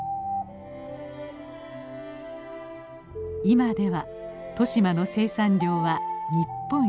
今では利島の生産量は日本一。